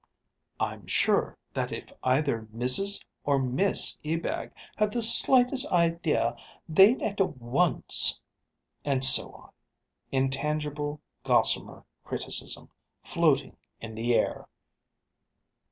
"I'm sure that if either Mrs or Miss Ebag had the slightest idea they'd at once " And so on. Intangible gossamer criticism, floating in the air!